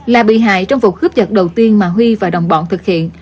là bị hại trong vụ cướp giật đầu tiên mà huy và đồng bọn thực hiện